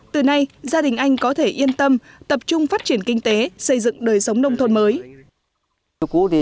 từ nay gia đình anh có thể yên tâm tập trung phát triển kinh tế xây dựng đời sống nông thôn mới